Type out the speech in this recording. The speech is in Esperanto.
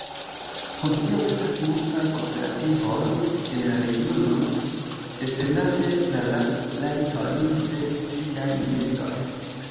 Hodiaŭ estas multaj kooperativoj en la regiono defendante la rajtojn de siaj ministoj.